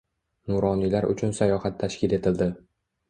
Nuroniylar uchun sayohat tashkil etildi